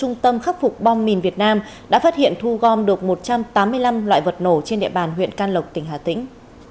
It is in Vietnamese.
trung tâm khắc phục bom mìn việt nam đã phát hiện thu gom được một trăm tám mươi năm loại vật nổ trên địa bàn huyện can lộc tỉnh hà tĩnh